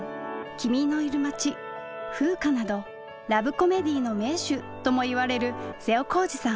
「君のいる町」「風夏」などラブコメディーの名手ともいわわれる瀬尾公治さん。